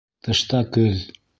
Тышта көҙ.